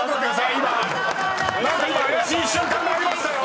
今何か怪しい瞬間がありましたよ］